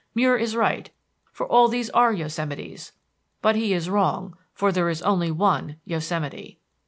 Muir is right, for all these are Yosemites; but he is wrong, for there is only one Yosemite.